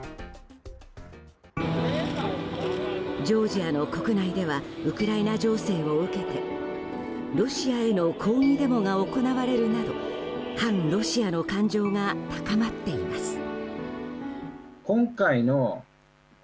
ジョージアの国内ではウクライナ情勢を受けてロシアへの抗議デモが行われるなど反ロシアの感情が高まっています。